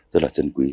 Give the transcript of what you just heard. rất là trân quý